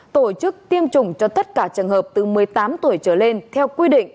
tổ chức tiêm chủng cho tất cả trường hợp từ một mươi tám tuổi trở lên theo quy định